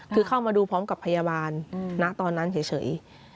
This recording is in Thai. คือเข้ามาดูพร้อมกับพยาบาลณตอนนั้นเฉย